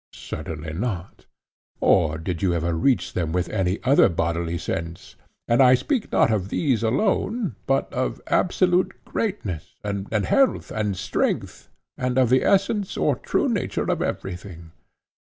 Certainly not. Or did you ever reach them with any other bodily sense?—and I speak not of these alone, but of absolute greatness, and health, and strength, and of the essence or true nature of everything.